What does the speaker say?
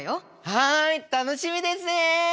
はい楽しみですね。